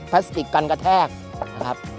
พลาสติกกันกระแทกนะครับ